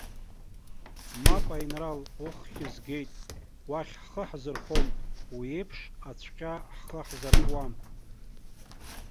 Мап, аинрал, уххь згеит, уахь ҳхы ҳзырхом, уи еиԥш ацәҟьа ҳхы ҳзаркуам.